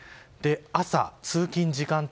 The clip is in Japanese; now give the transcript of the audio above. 朝、通勤時間帯